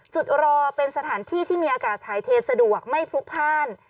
จุดรอเป็นสถานที่ที่มีอากาศถ่ายเทสะดวกไม่พลุกพ่าน